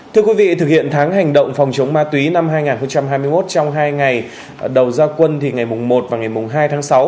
thưa quý vị thực hiện tháng hành động phòng chống ma túy năm hai nghìn hai mươi một trong hai ngày đầu gia quân thì ngày một và ngày hai tháng sáu